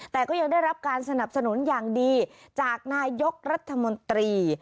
แต่ก็ยังได้รับการสนับสนุนอย่างดีจากนายกรัฐมนตรี